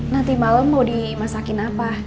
nanti malam mau dimasakin apa